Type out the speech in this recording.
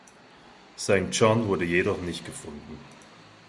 Saint John wurde jedoch nicht gefunden.